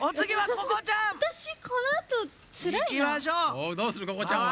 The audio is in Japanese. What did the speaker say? ここちゃんは。